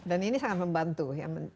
dan ini sangat membantu ya mbak desi